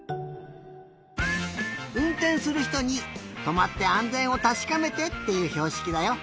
うんてんするひとにとまってあんぜんをたしかめてっていうひょうしきだよ。